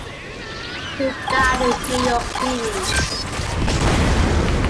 She died in New York City.